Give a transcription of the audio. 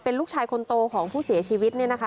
ลูกชายคนโตของผู้เสียชีวิตเนี่ยนะคะ